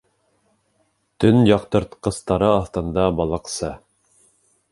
Төн яҡтыртҡыстары аҫтында балыҡсы